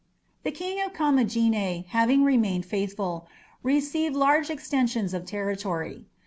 The king of Commagene, having remained faithful, received large extensions of territory.